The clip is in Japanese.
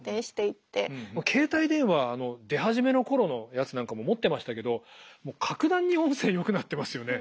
携帯電話出始めの頃のやつなんかも持ってましたけどもう格段に音声よくなってますよね。